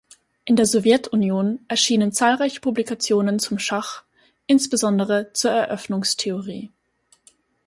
In der Sowjetunion erschienen zahlreiche Publikationen zum Schach, insbesondere zur Eröffnungstheorie.